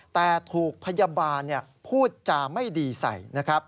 แต่ถูกพยาบาลพูดจาไม่ดีใส